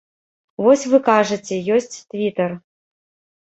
Вось вы кажаце, ёсць твітар.